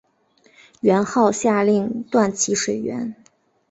元昊下令断其水源。